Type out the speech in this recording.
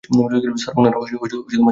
Sir, উনারা ঝামেলা করছে।